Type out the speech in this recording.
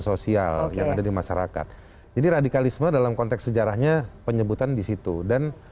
sosial yang ada di masyarakat jadi radikalisme dalam konteks sejarahnya penyebutan di situ dan